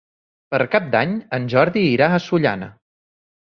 Per Cap d'Any en Jordi irà a Sollana.